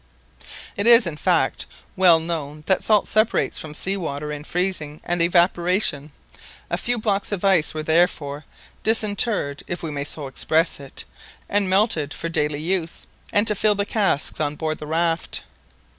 It is, in fact, well known that salt separates from sea water in freezing and evaporation. A few blocks of ice were therefore "disinterred," if we may so express it, and melted for daily use, and to fill the casks on board the raft.